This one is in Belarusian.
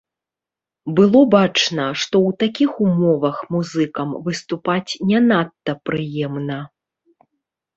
Было бачна, што ў такіх умовах музыкам выступаць не надта прыемна.